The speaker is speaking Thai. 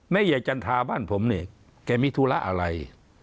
แม่ยายจันทราบ้านผมเนี่ยแกมีธุระอะไร